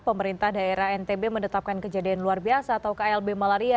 pemerintah daerah ntb menetapkan kejadian luar biasa atau klb malaria